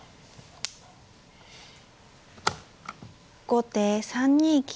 後手３二金。